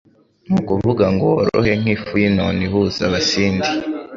Ni ukuvuga ngo worohe nk'ifu y'inono ihuza Abasindi